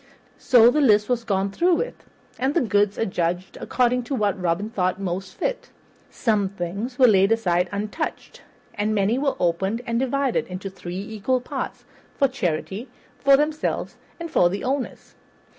So the list was gone through with, and the goods adjudged according to what Robin thought most fit. Some things were laid aside untouched, and many were opened and divided into three equal parts, for charity, for themselves, and for the owners.